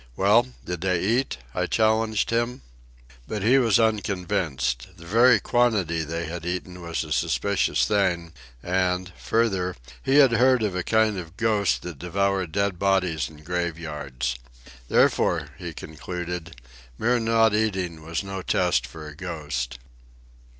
"Well, did they eat?" I challenged him. But he was unconvinced. The very quantity they had eaten was a suspicious thing, and, further, he had heard of a kind of ghost that devoured dead bodies in graveyards. Therefore, he concluded, mere non eating was no test for a ghost.